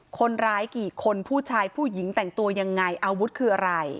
คนร้ายกี่คนผู้ชายผู้หญิงแต่งตัวยังไงอาวุธคืออะไร